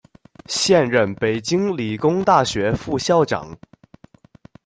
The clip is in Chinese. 现任北京理工大学副校长。